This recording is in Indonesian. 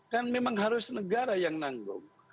kan memang harus negara yang nanggung